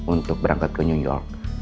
untuk berangkat ke new york